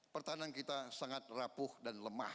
pertahanan kita sangat rapuh dan lemah